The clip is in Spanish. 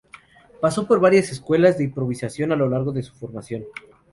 Pasó por varias escuelas de improvisación a lo largo de su formación.